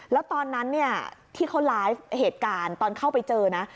แล้วตอนนั้นเนี่ยที่เขาไลฟ์เหตุการณ์ตอนเข้าไปเจอนะ